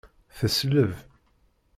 Tesleb.